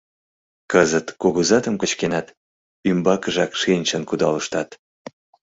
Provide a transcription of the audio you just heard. — Кызыт кугызатым кычкенат, ӱмбакыжак шинчын кудалыштат.